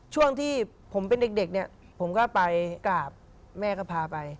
ช่วงที่ผมเป็นเด็กเนี่ยผมก็ไปกราบแม่ก็พาไป